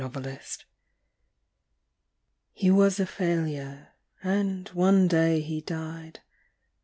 COMPASSION HE was a failure, and one day he died.